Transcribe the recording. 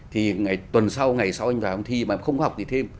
thì tuần sau ngày sau anh vào học thi mà không có học gì thêm